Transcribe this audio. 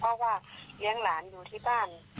เพราะว่าเลี้ยงหลานอยู่ที่บ้าน